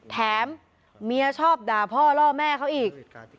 แถมเมียชอบด่าพ่อล่อแม่เขาอีก